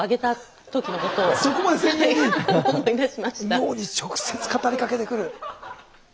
脳に直接語りかけてくる。